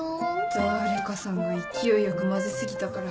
誰かさんが勢いよく混ぜ過ぎたから。